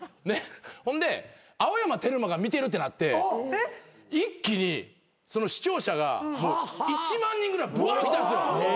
ほんで青山テルマが見てるってなって一気に視聴者が１万人ぐらいブワーッ来たんですよ。